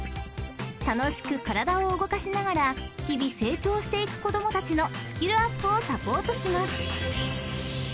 ［楽しく体を動かしながら日々成長していく子供たちのスキルアップをサポートします］